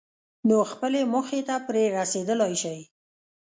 نو خپلې موخې ته پرې رسېدلای شئ.